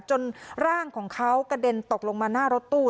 ร่างของเขากระเด็นตกลงมาหน้ารถตู้